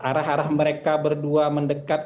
arah arah mereka berdua mendekat